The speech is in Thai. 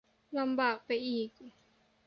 ลำบากไปอีก